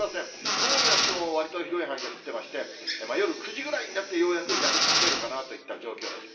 午後になってもわりと広い範囲で降ってまして、夜９時ぐらいになって、ようやくやみかけるかなといった状況です。